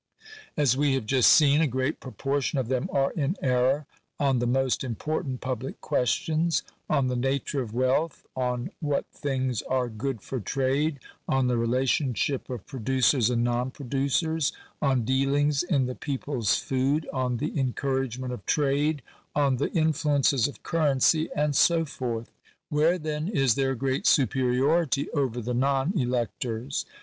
As we have just seen, a great proportion of them are in error on the most important public questions — on the nature of wealth, on what things are "good for trade," on the relationship of producers and non producers, on dealings in the people's food, on the "encouragement" of trade, on the influences of currency, and so forth. Where, then, is their great superiority over the non electors